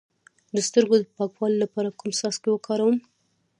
د سترګو د پاکوالي لپاره کوم څاڅکي وکاروم؟